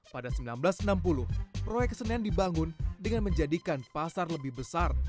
pada seribu sembilan ratus enam puluh proyek senen dibangun dengan menjadikan pasar lebih besar